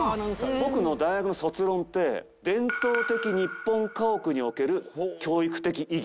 僕の大学の卒論って、伝統的日本家屋における教育的意義。